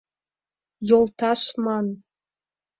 Йолташ ман...